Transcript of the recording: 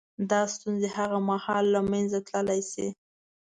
• دا ستونزې هغه مهال له منځه تلای شي.